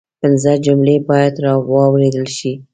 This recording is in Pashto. پنځه جملې باید واوریدل شي